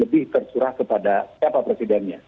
lebih tersurah kepada siapa presidennya